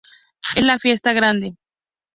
Es la fiesta grande.